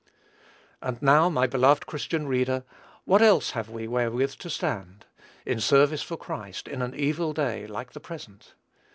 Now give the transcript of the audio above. And now, my beloved Christian reader, what else have we wherewith to stand, in service for Christ, in an evil day, like the present?